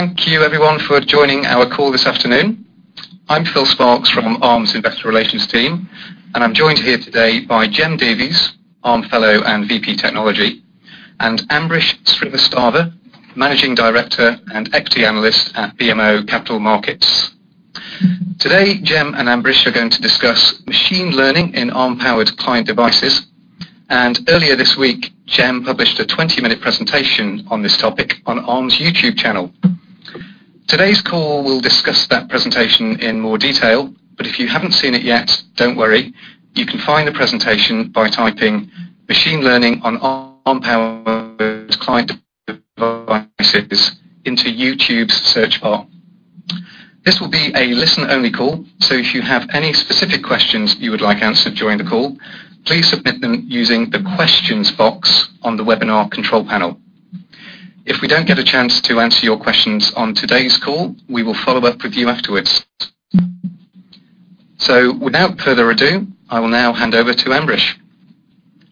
Thank you everyone for joining our call this afternoon. I'm Phil Sparks from Arm's investor relations team, and I'm joined here today by Jem Davies, Arm Fellow and VP Technology, and Ambrish Srivastava, Managing Director and Equity Analyst at BMO Capital Markets. Today, Jem and Ambrish are going to discuss machine learning in Arm powered client devices. Earlier this week, Jem published a 20-minute presentation on this topic on Arm's YouTube channel. Today's call will discuss that presentation in more detail. If you haven't seen it yet, don't worry. You can find the presentation by typing Machine Learning on Arm Powered Client Devices into YouTube's search bar. This will be a listen-only call. If you have any specific questions you would like answered during the call, please submit them using the questions box on the webinar control panel. If we don't get a chance to answer your questions on today's call, we will follow up with you afterwards. Without further ado, I will now hand over to Ambrish.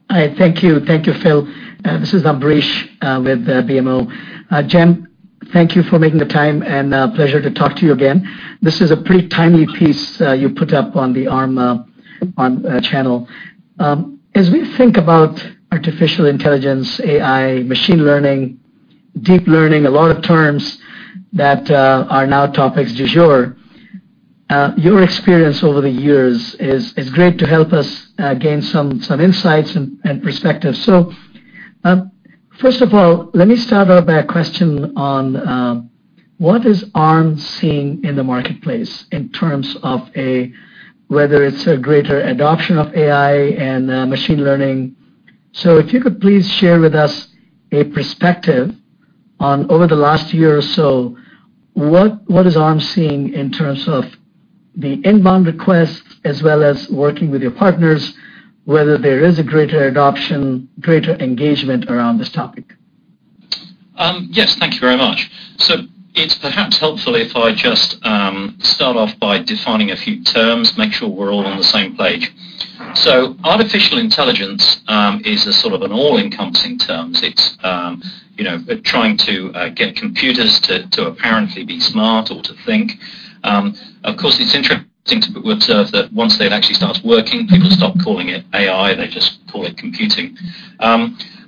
All right. Thank you, Phil. This is Ambrish with BMO. Jem, thank you for making the time, and pleasure to talk to you again. This is a pretty timely piece you put up on the Arm channel. As we think about artificial intelligence, AI, machine learning, deep learning, a lot of terms that are now topics du jour, your experience over the years is great to help us gain some insights and perspectives. First of all, let me start off by a question on, what is Arm seeing in the marketplace in terms of whether it's a greater adoption of AI and machine learning. If you could please share with us a perspective on over the last year or so, what is Arm seeing in terms of the inbound requests as well as working with your partners, whether there is a greater adoption, greater engagement around this topic? Yes, thank you very much. It's perhaps helpful if I just start off by defining a few terms, make sure we're all on the same page. Artificial intelligence, is a sort of an all-encompassing term. It's trying to get computers to apparently be smart or to think. Of course, it's interesting to observe that once that actually starts working, people stop calling it AI, they just call it computing.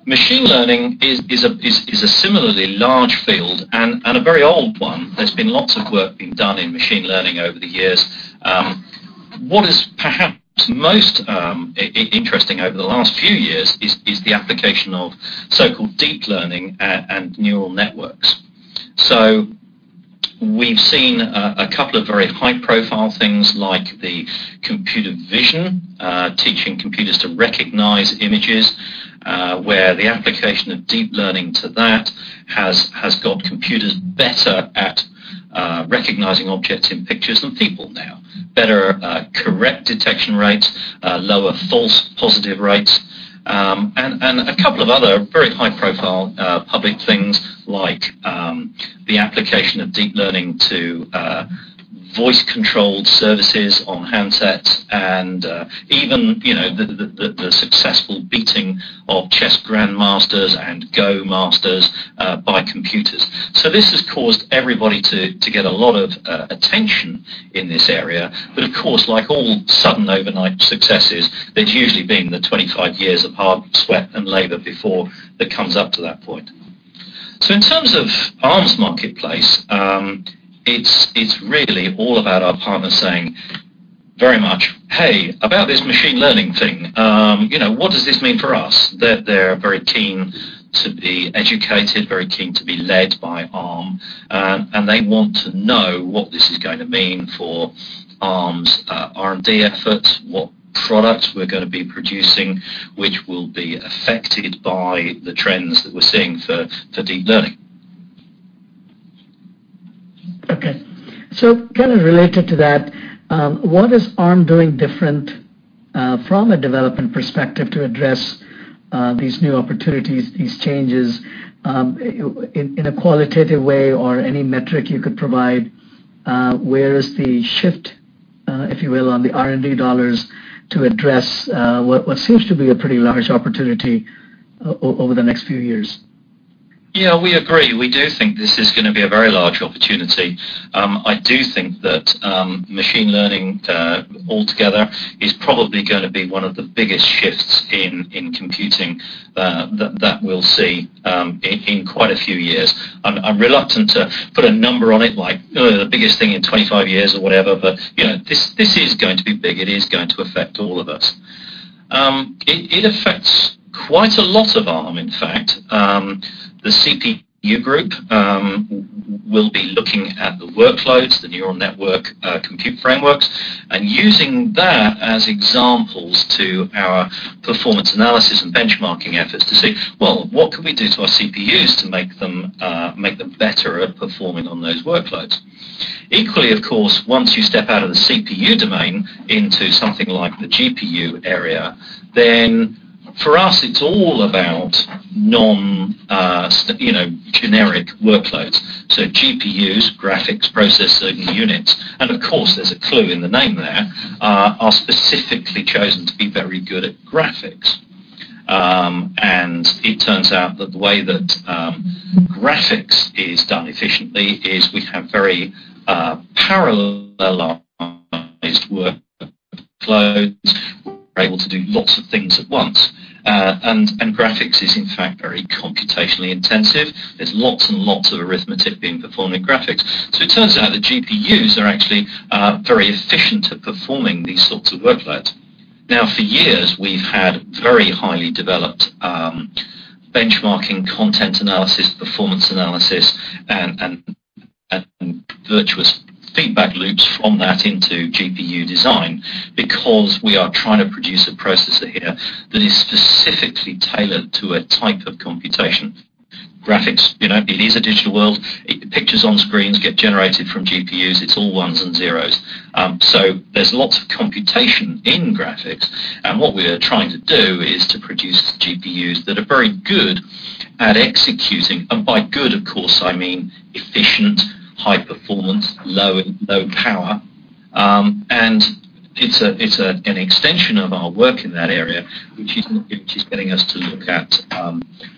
Machine learning is a similarly large field and a very old one. There's been lots of work being done in machine learning over the years. What is perhaps most interesting over the last few years is the application of so-called deep learning and neural networks. We've seen a couple of very high-profile things like the computer vision, teaching computers to recognize images, where the application of deep learning to that has got computers better at recognizing objects in pictures than people now. Better correct detection rates, lower false positive rates, and a couple of other very high-profile public things like the application of deep learning to voice controlled services on handsets and even the successful beating of chess grandmasters and Go masters by computers. This has caused everybody to get a lot of attention in this area, but of course like all sudden overnight successes, there's usually been the 25 years of hard sweat and labor before that comes up to that point. In terms of Arm's marketplace, it's really all about our partners saying very much, "Hey, about this machine learning thing, what does this mean for us?" They're very keen to be educated, very keen to be led by Arm, and they want to know what this is going to mean for Arm's R&D efforts, what products we're going to be producing which will be affected by the trends that we're seeing for deep learning. Okay. Kind of related to that, what is Arm doing different, from a development perspective to address these new opportunities, these changes, in a qualitative way or any metric you could provide, where is the shift, if you will, on the R&D GBP to address what seems to be a pretty large opportunity over the next few years? Yeah, we agree. We do think this is going to be a very large opportunity. I do think that machine learning altogether is probably going to be one of the biggest shifts in computing that we'll see in quite a few years. I'm reluctant to put a number on it like, "Oh, the biggest thing in 25 years," or whatever, but this is going to be big. It is going to affect all of us. It affects quite a lot of Arm, in fact. The CPU group will be looking at the workloads, the neural network compute frameworks, and using that as examples to our performance analysis and benchmarking efforts to see, well, what could we do to our CPUs to make them better at performing on those workloads. Equally, of course, once you step out of the CPU domain into something like the GPU area, for us it's all about non-generic workloads. GPUs, graphics processing units, and of course there's a clue in the name there, are specific very good at graphics. It turns out that the way that graphics is done efficiently is we have very parallelized workflows. We're able to do lots of things at once. Graphics is in fact very computationally intensive. There's lots and lots of arithmetic being performed in graphics. It turns out that GPUs are actually very efficient at performing these sorts of workloads. For years, we've had very highly developed benchmarking, content analysis, performance analysis, and virtuous feedback loops from that into GPU design because we are trying to produce a processor here that is specifically tailored to a type of computation. Graphics, it is a digital world. Pictures on screens get generated from GPUs. It's all ones and zeros. There's lots of computation in graphics, and what we're trying to do is to produce GPUs that are very good at executing. By good, of course, I mean efficient, high performance, low power. It's an extension of our work in that area, which is getting us to look at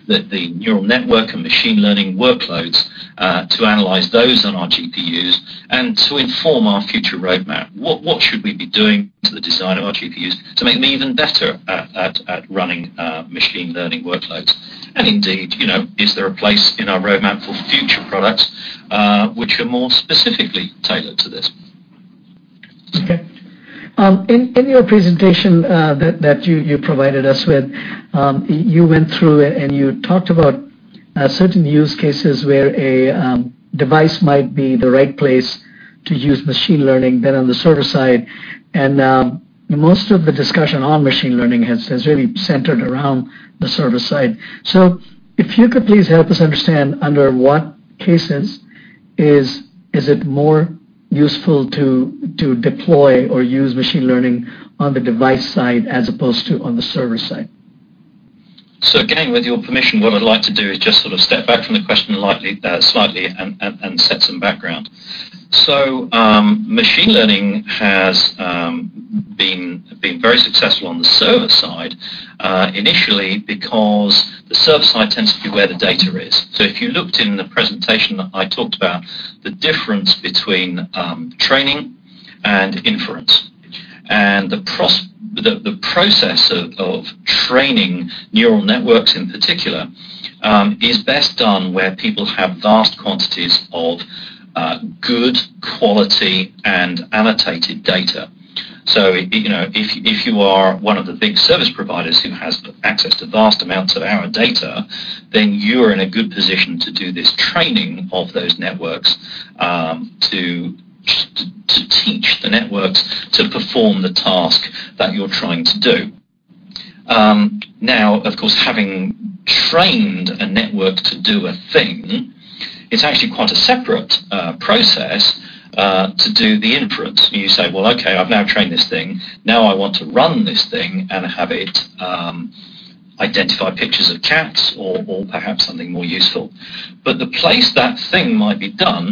the neural network and machine learning workloads, to analyze those on our GPUs and to inform our future roadmap. What should we be doing to the design of our GPUs to make them even better at running machine learning workloads? Indeed, is there a place in our roadmap for future products, which are more specifically tailored to this? Okay. In your presentation, that you provided us with, you went through and you talked about certain use cases where a device might be the right place to use machine learning than on the server side. Most of the discussion on machine learning has really centered around the server side. If you could please help us understand under what cases is it more useful to deploy or use machine learning on the device side as opposed to on the server side? Again, with your permission, what I'd like to do is just sort of step back from the question slightly and set some background. Machine learning has been very successful on the server side, initially because the server side tends to be where the data is. If you looked in the presentation that I talked about, the difference between training and inference. The process of training neural networks, in particular, is best done where people have vast quantities of good quality and annotated data. If you are one of the big service providers who has access to vast amounts of our data, then you are in a good position to do this training of those networks, to teach the networks to perform the task that you're trying to do. Of course, having trained a network to do a thing, it's actually quite a separate process to do the inference. You say, "Well, okay, I've now trained this thing. Now I want to run this thing and have it identify pictures of cats or perhaps something more useful." The place that thing might be done,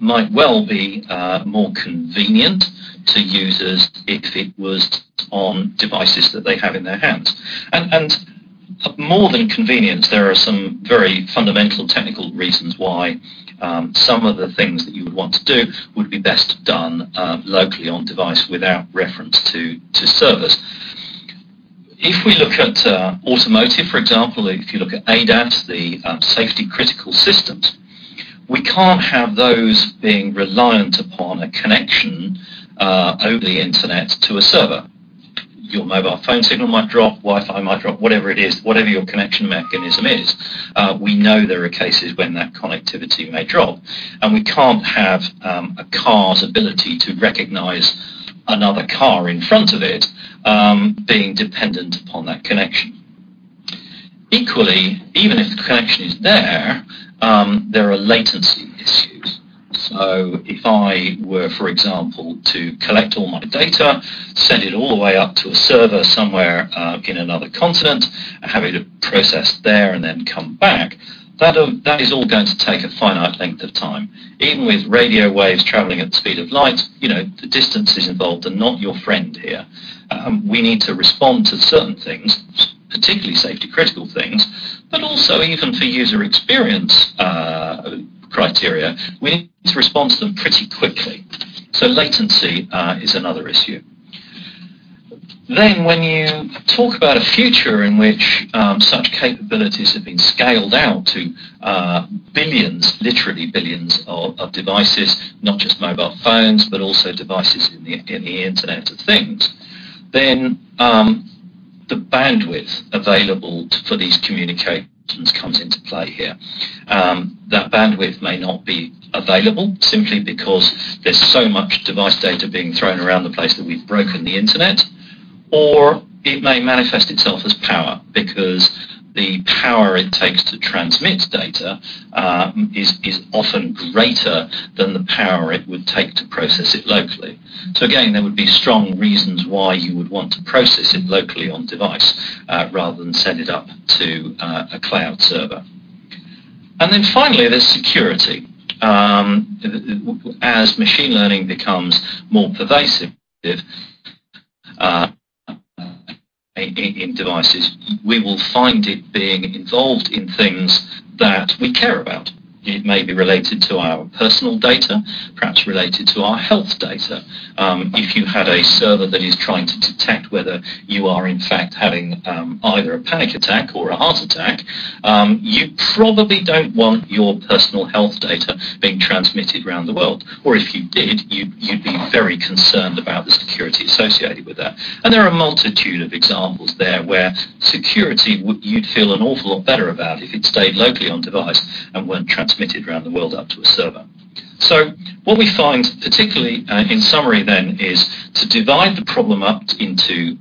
might well be more convenient to users if it was on devices that they have in their hands. More than convenience, there are some very fundamental technical reasons why some of the things that you would want to do would be best done locally on device without reference to servers. If we look at automotive, for example, if you look at ADAS, the safety critical systems, we can't have those being reliant upon a connection over the Internet to a server. Your mobile phone signal might drop, Wi-Fi might drop, whatever it is, whatever your connection mechanism is. We know there are cases when that connectivity may drop, and we can't have a car's ability to recognize another car in front of it, being dependent upon that connection. Equally, even if the connection is there are latency issues. If I were, for example, to collect all my data, send it all the way up to a server somewhere, in another continent, and have it processed there and then come back, that is all going to take a finite length of time. Even with radio waves traveling at the speed of light, the distances involved are not your friend here. We need to respond to certain things, particularly safety critical things, but also even for user experience criteria, we need to respond to them pretty quickly. Latency is another issue. When you talk about a future in which such capabilities have been scaled out to billions, literally billions of devices, not just mobile phones, but also devices in the Internet of things, the bandwidth available for these communications comes into play here. That bandwidth may not be available simply because there's so much device data being thrown around the place that we've broken the Internet, or it may manifest itself as power, because the power it takes to transmit data is often greater than the power it would take to process it locally. Again, there would be strong reasons why you would want to process it locally on device, rather than send it up. Finally, there's security. As machine learning becomes more pervasive in devices, we will find it being involved in things that we care about. It may be related to our personal data, perhaps related to our health data. If you had a server that is trying to detect whether you are in fact having either a panic attack or a heart attack, you probably don't want your personal health data being transmitted around the world. If you did, you'd be very concerned about the security associated with that. There are a multitude of examples there where security, you'd feel an awful lot better about if it stayed locally on device and weren't transmitted around the world up to a server. What we find, particularly in summary then, is to divide the problem up into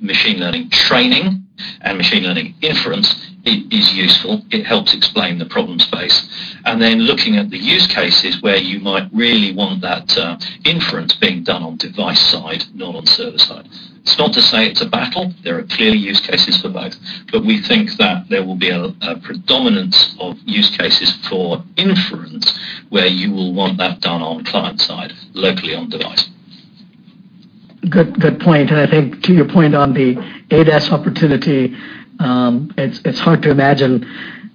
machine learning training and machine learning inference is useful. It helps explain the problem space. Looking at the use cases where you might really want that inference being done on device side, not on server side. It's not to say it's a battle. There are clearly use cases for both, but we think that there will be a predominance of use cases for inference where you will want that done on client side, locally on device. Good point. I think to your point on the ADAS opportunity, it's hard to imagine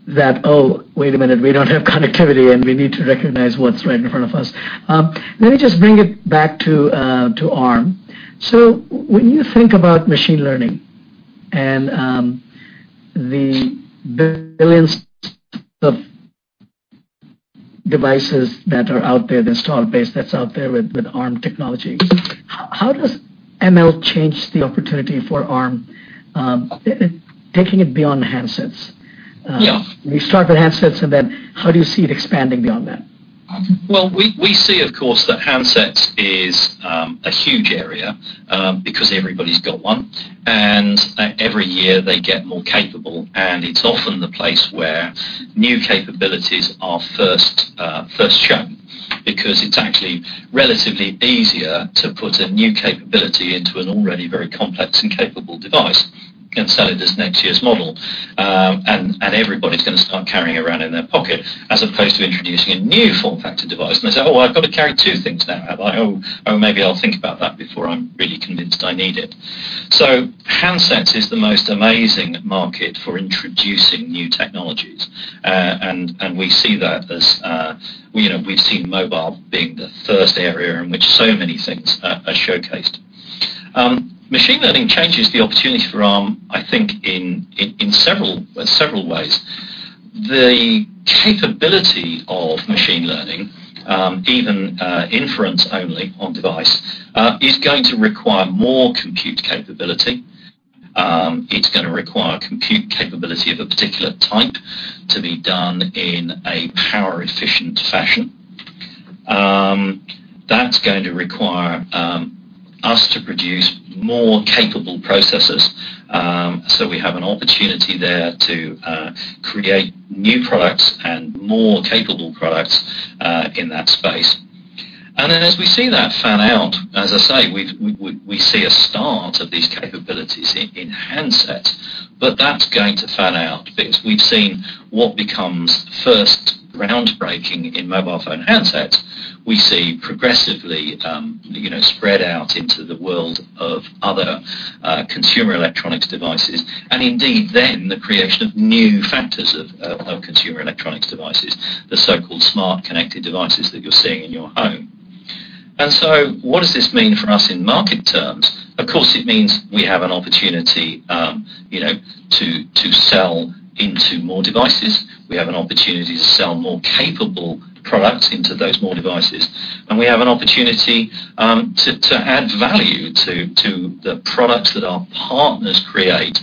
that, oh, wait a minute, we don't have connectivity, and we need to recognize what's right in front of us. Let me just bring it back to Arm. When you think about machine learning and the billions of devices that are out there, the install base that's out there with Arm technology, how does ML change the opportunity for Arm, taking it beyond handsets? Yeah. We start with handsets, how do you see it expanding beyond that? Well, we see, of course, that handsets is a huge area because everybody's got one, and every year they get more capable, and it's often the place where new capabilities are first shown. Because it's actually relatively easier to put a new capability into an already very complex and capable device and sell it as next year's model. Everybody's going to start carrying it around in their pocket, as opposed to introducing a new form factor device, and they say, "Oh, I've got to carry two things now, have I? Oh, maybe I'll think about that before I'm really convinced I need it." Handsets is the most amazing market for introducing new technologies. We've seen mobile being the first area in which so many things are showcased. Machine learning changes the opportunity for Arm, I think in several ways. The capability of machine learning, even inference only on device, is going to require more compute capability. It's going to require compute capability of a particular type to be done in a power efficient fashion. That's going to require us to produce more capable processors. We have an opportunity there to create new products and more capable products in that space. Then as we see that fan out, as I say, we see a start of these capabilities in handsets, but that's going to fan out because we've seen what becomes first groundbreaking in mobile phone handsets, we see progressively spread out into the world of other consumer electronics devices, and indeed then the creation of new factors of consumer electronics devices, the so-called smart connected devices that you're seeing in your home. What does this mean for us in market terms? Of course, it means we have an opportunity to sell into more devices. We have an opportunity to sell more capable products into those more devices, and we have an opportunity to add value to the products that our partners create.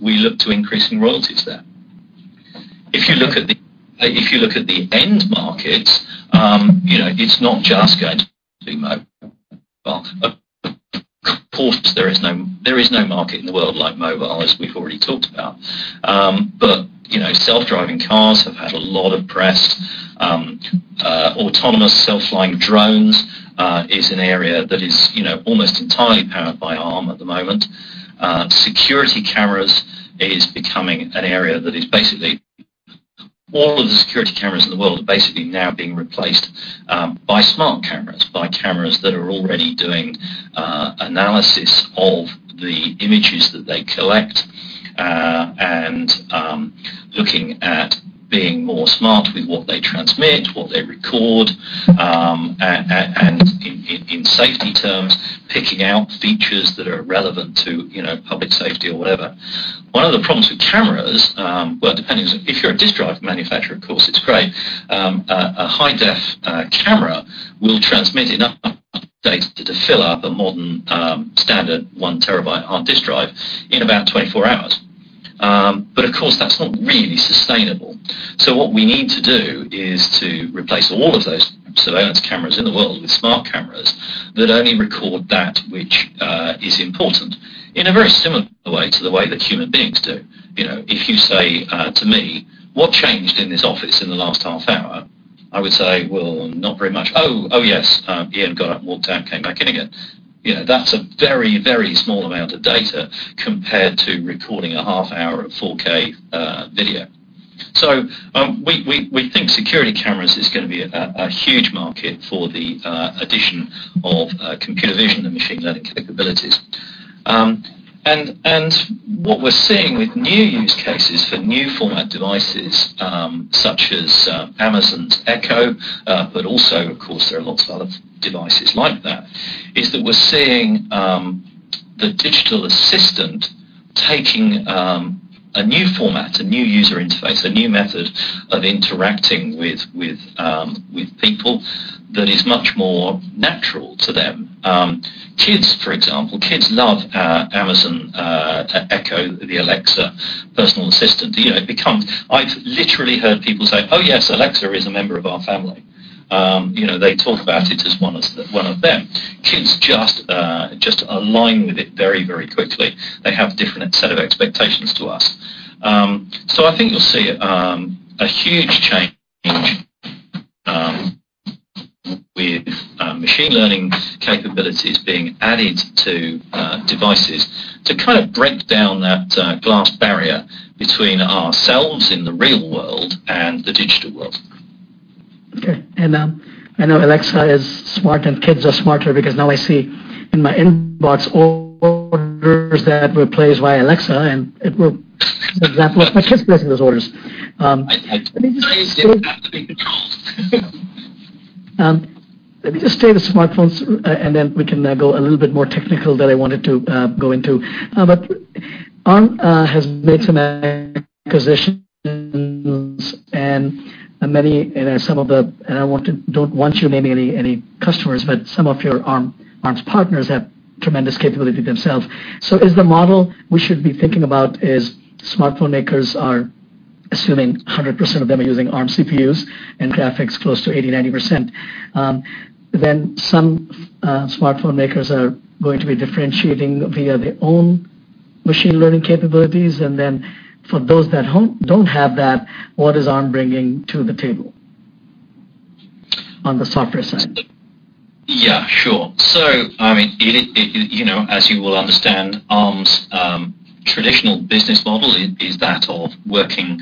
We look to increasing royalties there. If you look at the end markets, it's not just going to mobile. Of course, there is no market in the world like mobile, as we've already talked about. But self-driving cars have had a lot of press. Autonomous self-flying drones is an area that is almost entirely powered by Arm at the moment. Security cameras is becoming an area that is basically All of the security cameras in the world are basically now being replaced by smart cameras, by cameras that are already doing analysis of the images that they collect, and looking at being more smart with what they transmit, what they record, and in safety terms, picking out features that are relevant to public safety or whatever. One of the problems with cameras, well, depending if you're a disk drive manufacturer, of course, it's great. A high-def camera will transmit enough data to fill up a modern standard one terabyte hard disk drive in about 24 hours. Of course, that's not really sustainable. What we need to do is to replace all of those surveillance cameras in the world with smart cameras that only record that which is important in a very similar way to the way that human beings do. If you say to me, "What changed in this office in the last half hour?" I would say, "Well, not very much. Oh, yes, Ian got up, walked out, came back in again." That's a very small amount of data compared to recording a half hour of 4K video. We think security cameras is going to be a huge market for the addition of computer vision and machine learning capabilities. What we're seeing with new use cases for new format devices, such as Amazon's Echo, but also, of course, there are lots of other devices like that, is that we're seeing the digital assistant taking a new format, a new user interface, a new method of interacting with people that is much more natural to them. Kids, for example, kids love Amazon Echo, the Alexa personal assistant. I've literally heard people say, "Oh, yes, Alexa is a member of our family." They talk about it as one of them. Kids just align with it very quickly. They have different set of expectations to us. I think you'll see a huge change with machine learning capabilities being added to devices to kind of break down that glass barrier between ourselves in the real world and the digital world. Okay. I know Alexa is smart and kids are smarter because now I see in my inbox orders that were placed by Alexa, and it were an example of my kids placing those orders. I didn't have the big trolls. Let me just stay with smartphones, then we can go a little bit more technical that I wanted to go into. Arm has made some acquisitions and many, some of the-- I don't want you to name any customers, but some of your Arm's partners have tremendous capability themselves. Is the model we should be thinking about is smartphone makers are assuming 100% of them are using Arm CPUs and graphics close to 80%, 90%? Some smartphone makers are going to be differentiating via their own machine learning capabilities. For those that don't have that, what is Arm bringing to the table on the software side? Yeah, sure. As you will understand, Arm's traditional business model is that of working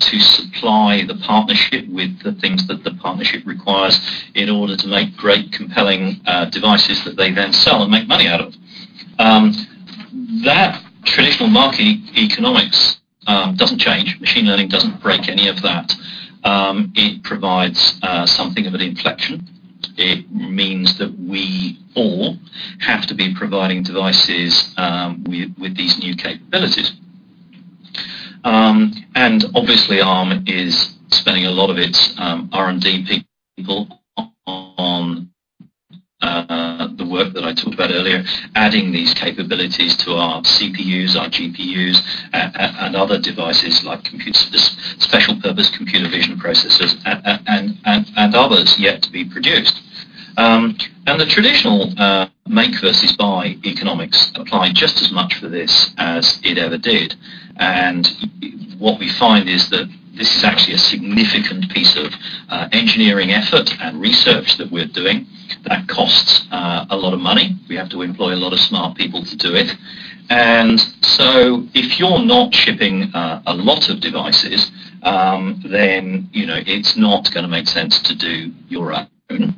to supply the partnership with the things that the partnership requires in order to make great, compelling devices that they then sell and make money out of. That traditional market economics doesn't change. Machine learning doesn't break any of that. It provides something of an inflection. It means that we all have to be providing devices with these new capabilities. Obviously, Arm is spending a lot of its R&D people on the work that I talked about earlier, adding these capabilities to our CPUs, our GPUs, and other devices like special-purpose computer vision processors and others yet to be produced. The traditional make versus buy economics apply just as much for this as it ever did. What we find is that this is actually a significant piece of engineering effort and research that we're doing that costs a lot of money. We have to employ a lot of smart people to do it. If you're not shipping a lot of devices, then it's not going to make sense to do your own.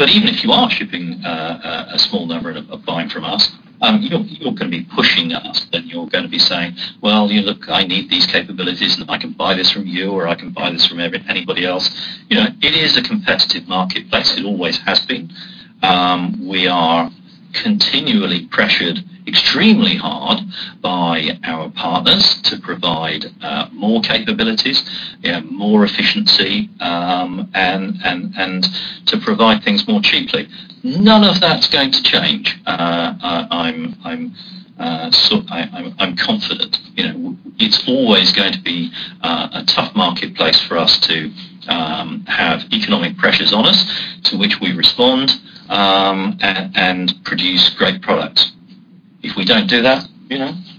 Even if you are shipping a small number and are buying from us, you're going to be pushing us, you're going to be saying, "Well, look, I need these capabilities, and I can buy this from you, or I can buy this from anybody else." It is a competitive marketplace. It always has been. We are continually pressured extremely hard by our partners to provide more capabilities, more efficiency, and to provide things more cheaply. None of that's going to change. I'm confident it's always going to be a tough marketplace for us to have economic pressures on us to which we respond, and produce great products. If we don't do that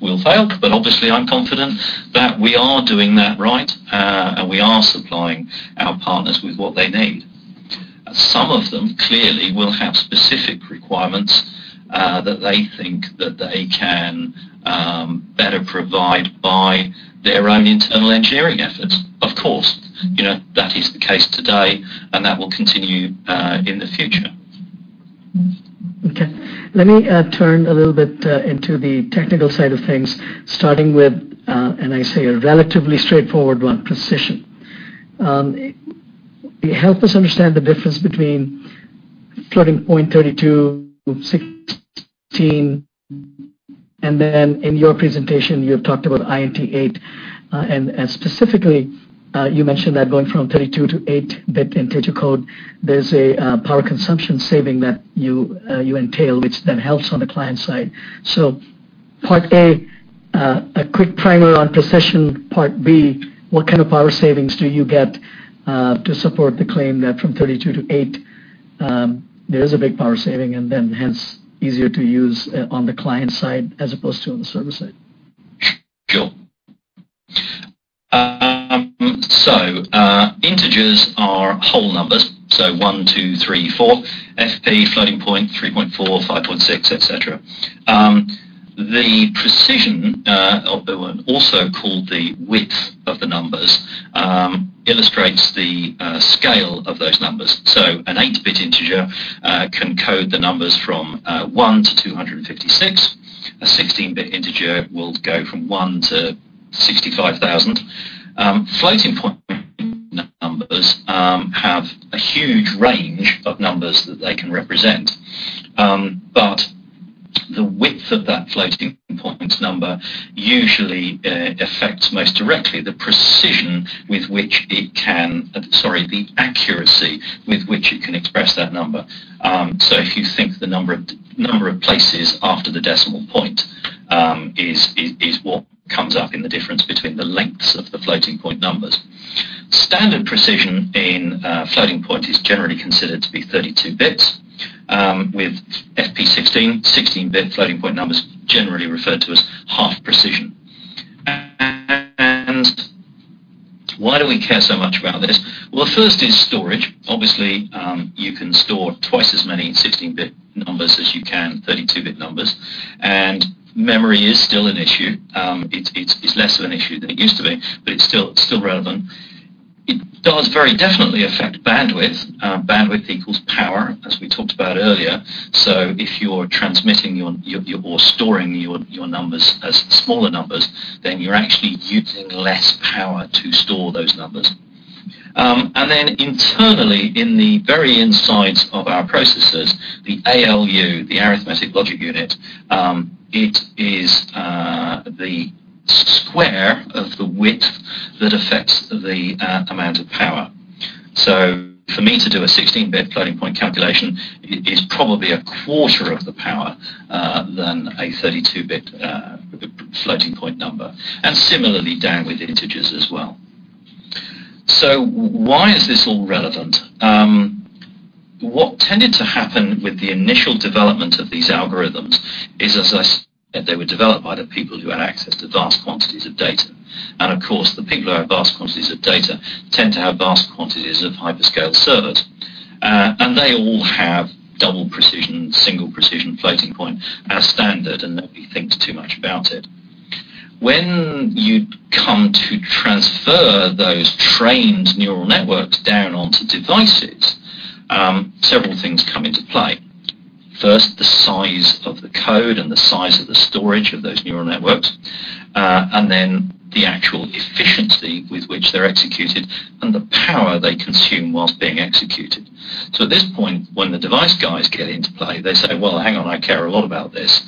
we'll fail. Obviously, I'm confident that we are doing that right, and we are supplying our partners with what they need. Some of them clearly will have specific requirements, that they think that they can better provide by their own internal engineering efforts. Of course, that is the case today, and that will continue in the future. Okay. Let me turn a little bit into the technical side of things, starting with, I say a relatively straightforward one, precision. Help us understand the difference between floating point 32, 16, in your presentation, you had talked about INT8. Specifically, you mentioned that going from 32 to 8-bit integer code, there's a power consumption saving that you entail, which helps on the client side. Part A, a quick primer on precision. Part B, what kind of power savings do you get, to support the claim that from 32 to 8, there is a big power saving hence easier to use on the client side as opposed to on the server side? Integers are whole numbers. One, two, three, four. FP, floating point, 3.4, 5.6, et cetera. The precision, also called the width of the numbers, illustrates the scale of those numbers. An 8-bit integer can code the numbers from 1-256. A 16-bit integer will go from 1-65,000. Floating point numbers have a huge range of numbers that they can represent. The width of that floating point number usually affects most directly the accuracy with which it can express that number. If you think the number of places after the decimal point is what comes up in the difference between the lengths of the floating point numbers. Standard precision in floating point is generally considered to be 32 bits, with FP 16-bit floating point numbers generally referred to as half precision. Why do we care so much about this? First is storage. Obviously, you can store twice as many 16-bit numbers as you can 32-bit numbers, and memory is still an issue. It is less of an issue than it used to be, but it is still relevant. It does very definitely affect bandwidth. Bandwidth equals power, as we talked about earlier. If you are transmitting or storing your numbers as smaller numbers, then you are actually using less power to store those numbers. Internally, in the very insides of our processors, the ALU, the arithmetic logic unit, it is the square of the width that affects the amount of power. For me to do a 16-bit floating point calculation is probably a quarter of the power than a 32-bit floating point number, and similarly down with integers as well. Why is this all relevant? What tended to happen with the initial development of these algorithms is, as I said, they were developed by the people who had access to vast quantities of data. The people who have vast quantities of data tend to have vast quantities of hyperscale servers. They all have double precision, single precision floating point as standard, and nobody thinks too much about it. When you come to transfer those trained neural networks down onto devices, several things come into play. First, the size of the code and the size of the storage of those neural networks, and then the actual efficiency with which they are executed and the power they consume whilst being executed. At this point, when the device guys get into play, they say, "Well, hang on, I care a lot about this.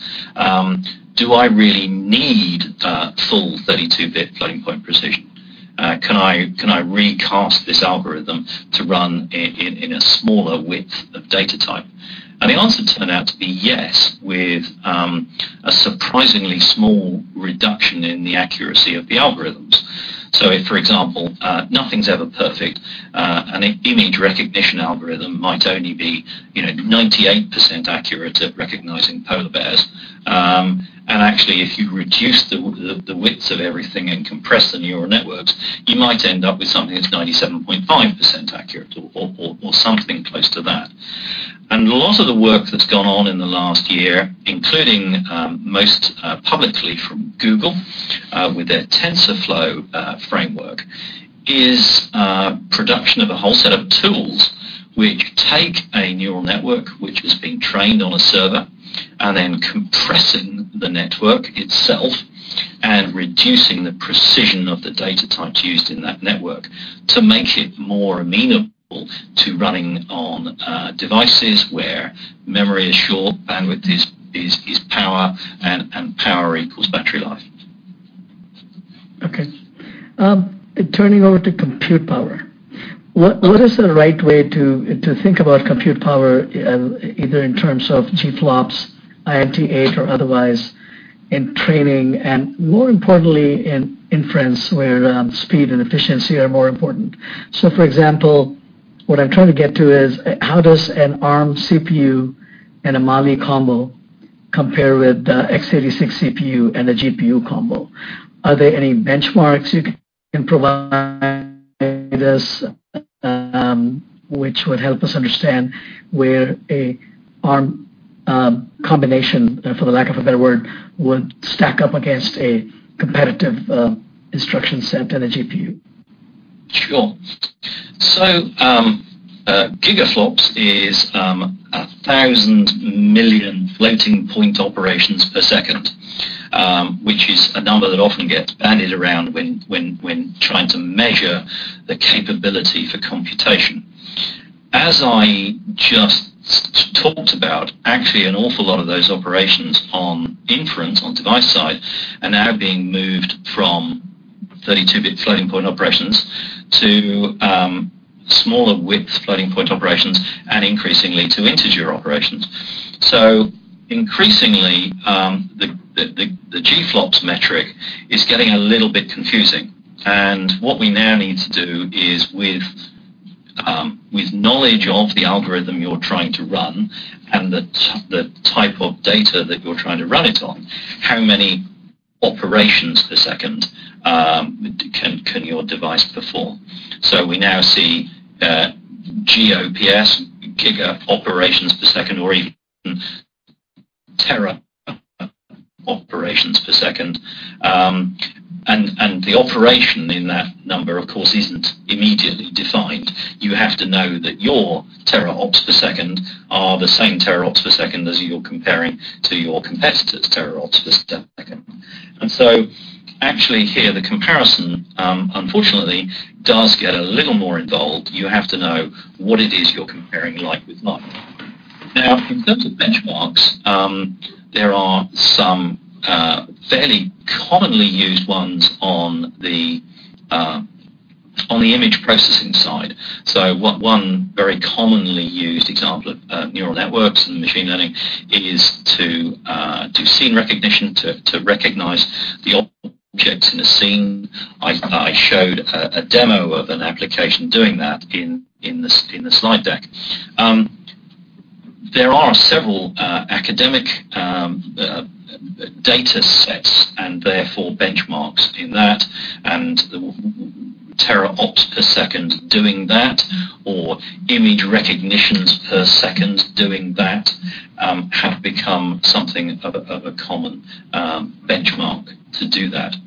Do I really need full 32-bit floating point precision? Can I recast this algorithm to run in a smaller width of data type?" The answer turned out to be yes, with a surprisingly small reduction in the accuracy of the algorithms. If, for example, nothing is ever perfect, an image recognition algorithm might only be 98% accurate at recognizing polar bears. If you reduce the widths of everything and compress the neural networks, you might end up with something that is 97.5% accurate or something close to that. A lot of the work that is gone on in the last year, including most publicly from Google with their TensorFlow framework, is production of a whole set of tools which take a neural network which has been trained on a server, and then compressing the network itself and reducing the precision of the data types used in that network to make it more amenable to running on devices where memory is short, bandwidth is power, and power equals battery life. Okay. Turning over to compute power, what is the right way to think about compute power, either in terms of GFLOPS, INT8, or otherwise in training and, more importantly, in inference, where speed and efficiency are more important? For example, what I am trying to get to is, how does an Arm CPU and a Mali combo compare with the x86 CPU and a GPU combo? Are there any benchmarks you can provide us which would help us understand where an Arm combination, for the lack of a better word, would stack up against a competitive instruction set and a GPU? Sure. GFLOPS is 1,000 million floating point operations per second, which is a number that often gets bandied around when trying to measure the capability for computation. As I just talked about, actually, an awful lot of those operations on inference on device side are now being moved from 32-bit floating point operations to smaller width floating point operations and increasingly to integer operations. Increasingly, the GFLOPS metric is getting a little bit confusing, and what we now need to do is knowledge of the algorithm you are trying to run and the type of data that you are trying to run it on, how many operations per second can your device perform? We now see GOPS, giga operations per second, or even tera operations per second. The operation in that number, of course, is not immediately defined. You have to know that your tera ops per second are the same tera ops per second as you are comparing to your competitor's tera ops per second. Actually here, the comparison, unfortunately, does get a little more involved. You have to know what it is you are comparing like with like. In terms of benchmarks, there are some fairly commonly used ones on the image processing side. One very commonly used example of neural networks and machine learning is to do scene recognition, to recognize the objects in a scene. I showed a demo of an application doing that in the slide deck. There are several academic datasets, and therefore benchmarks in that, and tera ops per second doing that, or image recognitions per second doing that, have become something of a common benchmark to do that.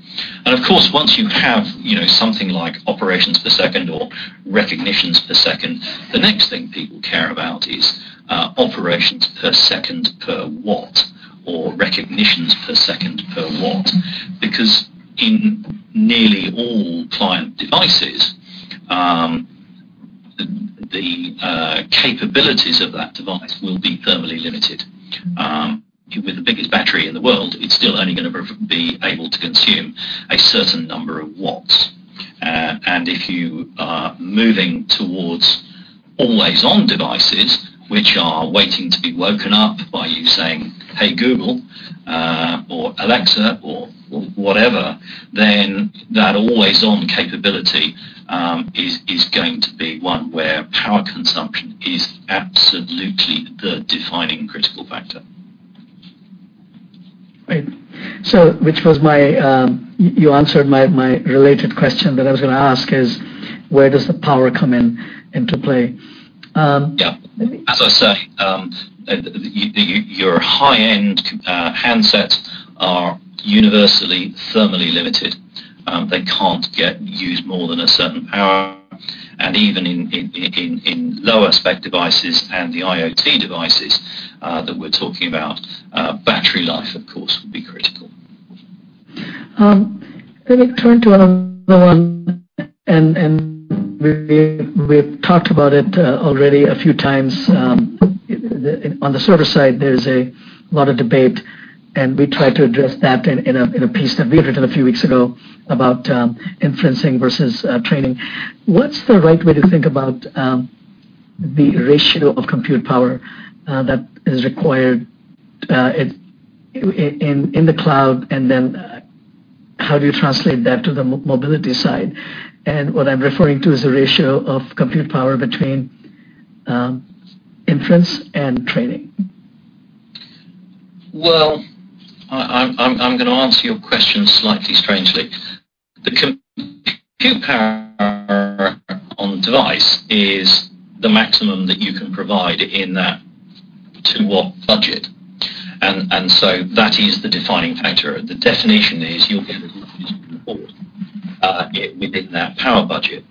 Of course, once you have something like operations per second or recognitions per second, the next thing people care about is operations per second per watt, or recognitions per second per watt. Because in nearly all client devices, the capabilities of that device will be thermally limited. With the biggest battery in the world, it is still only going to be able to consume a certain number of watts. If you are moving towards always-on devices, which are waiting to be woken up by you saying, "Hey, Google," or "Alexa," or whatever, then that always-on capability is going to be one where power consumption is absolutely the defining critical factor. Great. You answered my related question that I was going to ask is, where does the power come into play? Yeah. As I say, your high-end handsets are universally thermally limited. They cannot get used more than a certain power. Even in lower spec devices and the IoT devices that we are talking about, battery life, of course, will be critical. Let me turn to another one, and we have talked about it already a few times. On the server side, there is a lot of debate, and we tried to address that in a piece that we had written a few weeks ago about inferencing versus training. What is the right way to think about the ratio of compute power that is required in the cloud, and then how do you translate that to the mobility side? What I am referring to is the ratio of compute power between inference and training. I'm going to answer your question slightly strangely. The compute power on device is the maximum that you can provide in that 2-W budget. That is the defining factor. The definition is you'll get as much as you can afford within that power budget.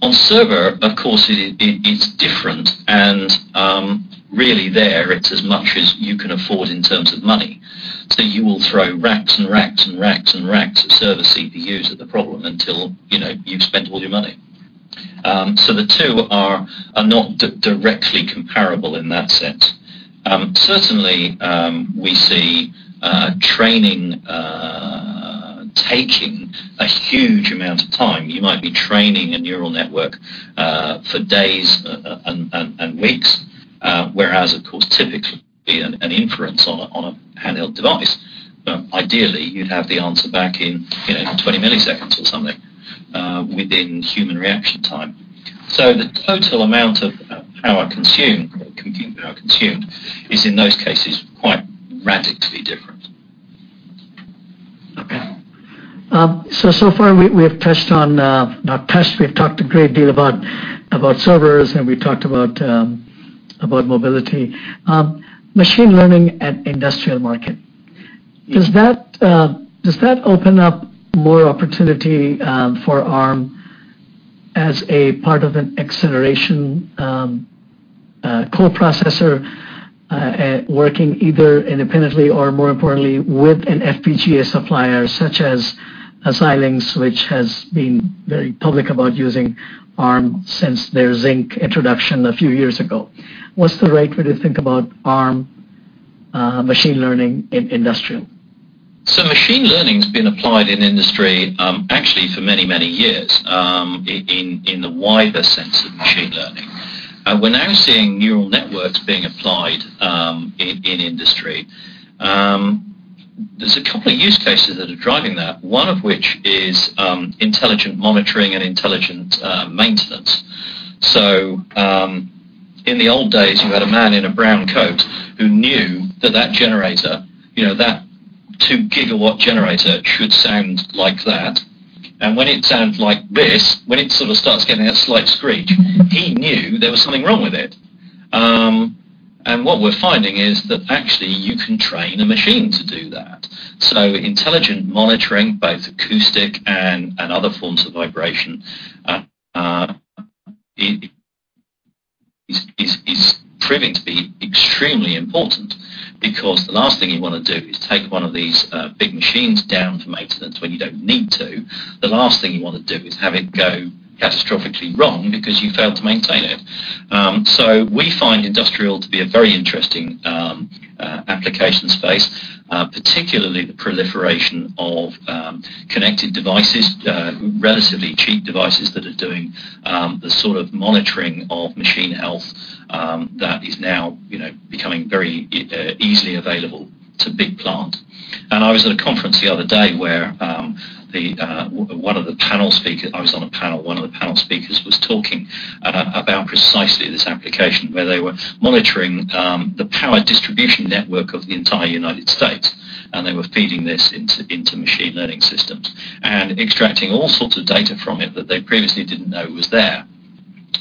On server, of course, it's different, and really there it's as much as you can afford in terms of money. You will throw racks and racks and racks and racks of server CPUs at the problem until you've spent all your money. The two are not directly comparable in that sense. Certainly, we see training taking a huge amount of time. You might be training a neural network for days and weeks, whereas, of course, typically an inference on a handheld device, ideally you'd have the answer back in 20 milliseconds or something within human reaction time. The total amount of power consumed is in those cases quite radically different. So far we have touched on, we've talked a great deal about servers, and we talked about mobility. Machine learning and industrial market. Does that open up more opportunity for Arm as a part of an acceleration co-processor, working either independently or more importantly, with an FPGA supplier such as Xilinx, which has been very public about using Arm since their Zynq introduction a few years ago. What's the right way to think about Arm machine learning in industrial? Machine learning's been applied in industry actually for many, many years in the wider sense of machine learning. We're now seeing neural networks being applied in industy. There's a couple of use cases that are driving that, one of which is intelligent monitoring and intelligent maintenance. In the old days, you had a man in a brown coat who knew that that 2-GW generator should sound like that. When it sounds like this, when it sort of starts getting that slight screech, he knew there was something wrong with it. What we're finding is that actually you can train a machine to do that. Intelligent monitoring, both acoustic and other forms of vibration, is proving to be extremely important because the last thing you want to do is take one of these big machines down for maintenance when you don't need to. The last thing you want to do is have it go catastrophically wrong because you failed to maintain it. We find industrial to be a very interesting application space, particularly the proliferation of connected devices, relatively cheap devices that are doing the sort of monitoring of machine health that is now becoming very easily available to big plant. I was at a conference the other day where one of the panel speakers-- I was on a panel, one of the panel speakers was talking about precisely this application, where they were monitoring the power distribution network of the entire U.S., they were feeding this into machine learning systems and extracting all sorts of data from it that they previously didn't know was there.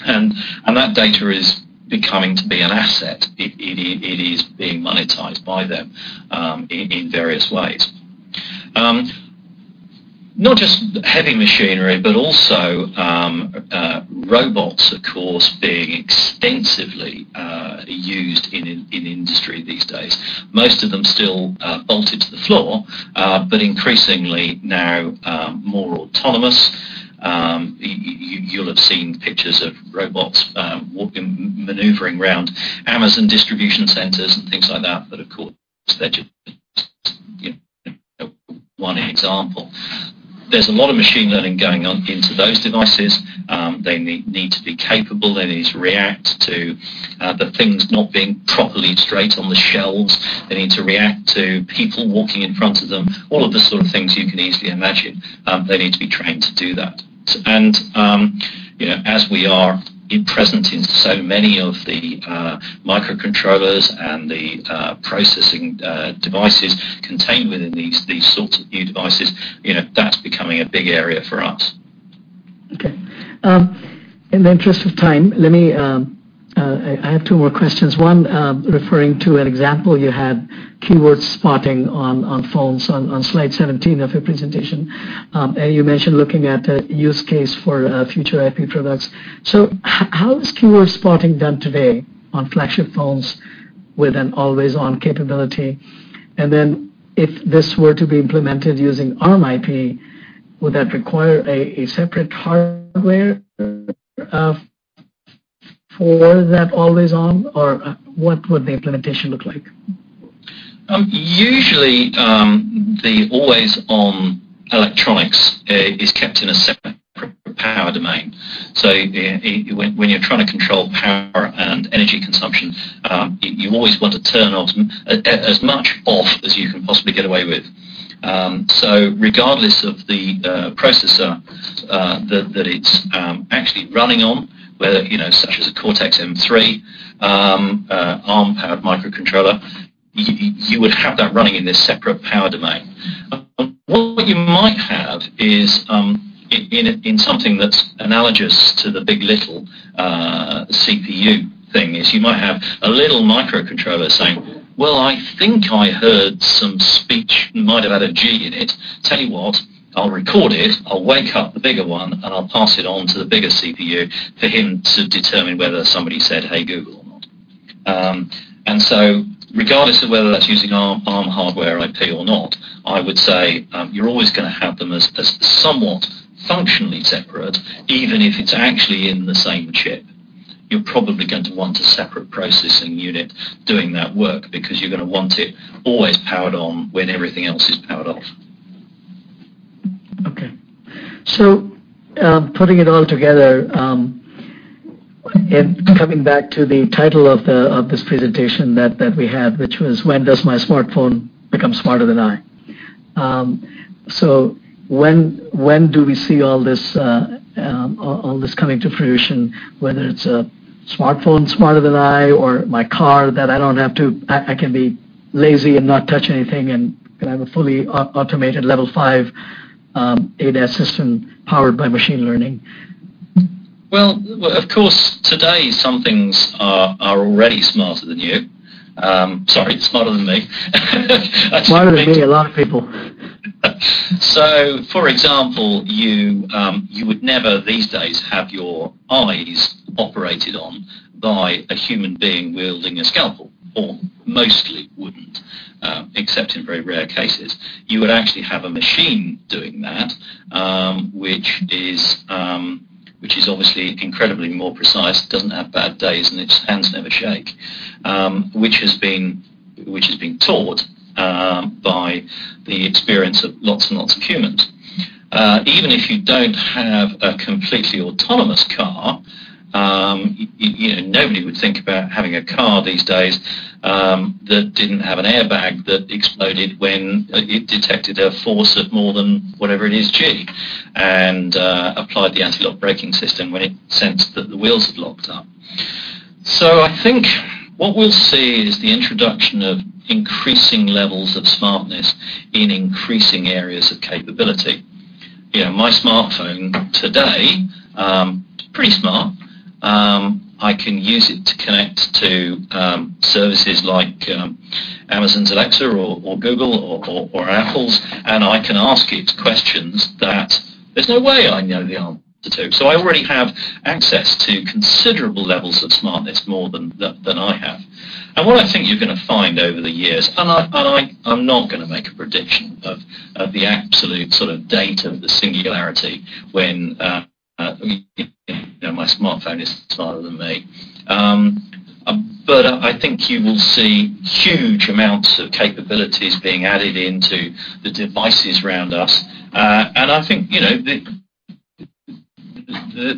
That data is becoming to be an asset. It is being monetized by them in various ways. Not just heavy machinery, but also robots, of course, being extensively used in industry these days. Most of them still bolted to the floor but increasingly now more autonomous. You'll have seen pictures of robots maneuvering around Amazon distribution centers and things like that are called one example. There's a lot of machine learning going on into those devices. They need to be capable. They need to react to the things not being properly straight on the shelves. They need to react to people walking in front of them, all of the sort of things you can easily imagine. They need to be trained to do that. As we are present in so many of the microcontrollers and the processing devices contained within these sorts of new devices, that's becoming a big area for us. Okay. In the interest of time, I have two more questions. One referring to an example you had, keyword spotting on phones on slide seventeen of your presentation. You mentioned looking at a use case for future IP products. How is keyword spotting done today on flagship phones with an always-on capability? If this were to be implemented using Arm IP, would that require a separate hardware for that always-on, or what would the implementation look like? Usually, the always-on electronics is kept in a separate power domain. When you're trying to control power and energy consumption, you always want to turn as much off as you can possibly get away with. Regardless of the processor that it's actually running on, such as a Cortex-M3 Arm-powered microcontroller, you would have that running in this separate power domain. What you might have is in something that's analogous to the big. LITTLE CPU thing, is you might have a little microcontroller saying, "Well, I think I heard some speech. It might have had a G in it. Tell you what, I'll record it, I'll wake up the bigger one, and I'll pass it on to the bigger CPU for him to determine whether somebody said 'Hey, Google' or not. Regardless of whether that's using Arm hardware IP or not, I would say you're always going to have them as somewhat functionally separate, even if it's actually in the same chip. You're probably going to want a separate processing unit doing that work because you're going to want it always powered on when everything else is powered off. Okay. Putting it all together, and coming back to the title of this presentation that we had, which was: When Does My Smartphone Become Smarter Than I? When do we see all this coming to fruition, whether it's a smartphone smarter than I or my car that I can be lazy and not touch anything, and I have a fully automated Level 5 ADAS system powered by machine learning? Well, of course, today, some things are already smarter than you. Sorry, smarter than me. Smarter than me and a lot of people. For example, you would never, these days, have your eyes operated on by a human being wielding a scalpel, or mostly wouldn't, except in very rare cases. You would actually have a machine doing that, which is obviously incredibly more precise. It doesn't have bad days, and its hands never shake, which has been taught by the experience of lots and lots of humans. Even if you don't have a completely autonomous car. Nobody would think about having a car these days that didn't have an airbag that exploded when it detected a force of more than whatever it is G, and applied the anti-lock braking system when it sensed that the wheels had locked up. I think what we'll see is the introduction of increasing levels of smartness in increasing areas of capability. My smartphone today, pretty smart. I can use it to connect to services like Amazon's Alexa or Google or Apple's, and I can ask it questions that there's no way I know the answer to. I already have access to considerable levels of smartness more than I have. What I think you're going to find over the years, and I'm not going to make a prediction of the absolute sort of date of the singularity when my smartphone is smarter than me. I think you will see huge amounts of capabilities being added into the devices around us. I think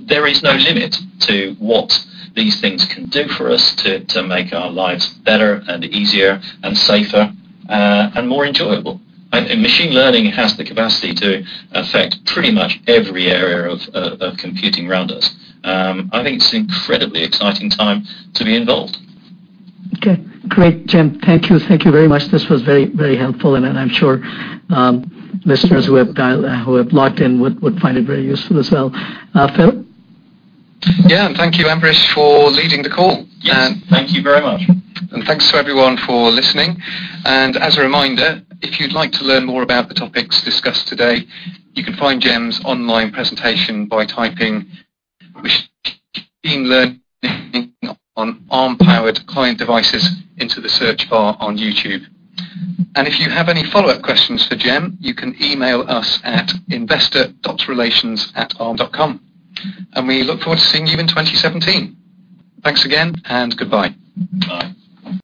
there is no limit to what these things can do for us to make our lives better and easier and safer, and more enjoyable. Machine learning has the capacity to affect pretty much every area of computing around us. I think it's an incredibly exciting time to be involved. Okay. Great, Jem. Thank you. Thank you very much. This was very, very helpful, and I'm sure listeners who have logged in would find it very useful as well. Phil? Yeah. Thank you, Ambrish, for leading the call. Yes. Thank you very much. Thanks to everyone for listening. As a reminder, if you'd like to learn more about the topics discussed today, you can find Jem's online presentation by typing Machine Learning on Arm Powered Client Devices into the search bar on YouTube. If you have any follow-up questions for Jem, you can email us at investor.relations@arm.com. We look forward to seeing you in 2017. Thanks again, and goodbye. Bye.